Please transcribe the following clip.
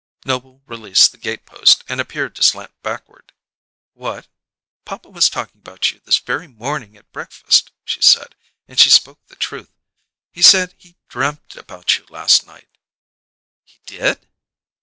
Noble released the gatepost and appeared to slant backward. "What?" "Papa was talking about you this very morning at breakfast," she said; and she spoke the truth. "He said he dreamed about you last night." "He did?"